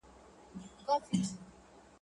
نه واسکټ، نه به ځان مرګی، نه به ترور وي.